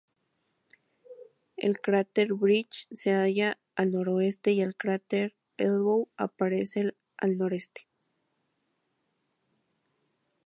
El cráter Bridge se halla al noroeste y el cráter Elbow aparece al noreste.